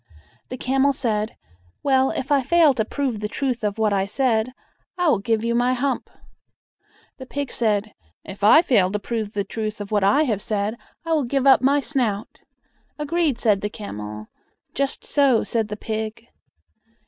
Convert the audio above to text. The camel said, "Well, if I fail to prove the truth of what I said, I will give you my hump." The pig said, "If I fail to prove the truth of what I have said, I will give up my snout." "Agreed!" said the camel. "Just so!" said the pig.